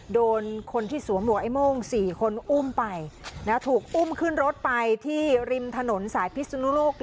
โดนคนที่สวมหัวไอ้โม่ง๔คนอุ้มไปถูกอุ้มขึ้นรถไปที่ริมถนนสายพิศนุโลก